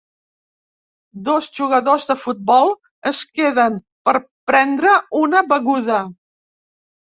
Dos jugadors de futbol es queden per prendre una beguda.